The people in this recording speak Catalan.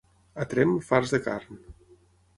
A Tremp, farts de carn.